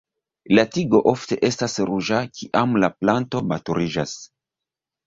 La tigo ofte estas ruĝa kiam la planto maturiĝas.